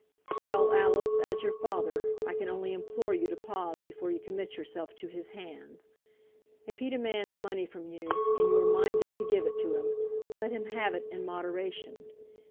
"Well, Alice, as your father, I can only implore you to pause before you commit yourself to his hands. If he demands money from you, and you are minded to give it to him, let him have it in moderation.